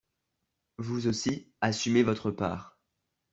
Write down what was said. Vous aussi, assumez votre part